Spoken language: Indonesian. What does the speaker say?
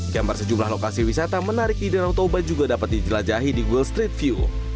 gambar sejumlah lokasi wisata menarik di danau toba juga dapat dijelajahi di good street view